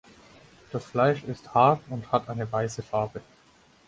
Das Fleisch ist hart und hat eine weiße Farbe.